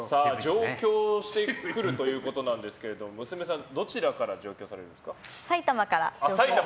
上京してくるということなんですが娘さん、どちらから上京されるんですか？